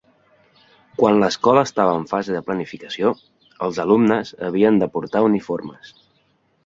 Quan l'escola estava en fase de planificació, els alumnes havien de portar uniformes.